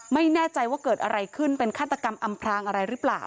ไม่แน่ใจว่าเกิดอะไรขึ้นเป็นฆาตกรรมอำพรางอะไรหรือเปล่า